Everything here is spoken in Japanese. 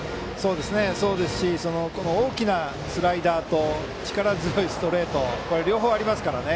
そうですし大きなスライダーと力強いストレートが両方ありますからね。